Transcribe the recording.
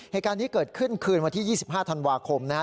เหตุการณ์นี้เกิดขึ้นคืนวันที่๒๕ธันวาคมนะฮะ